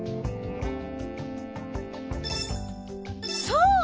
そう。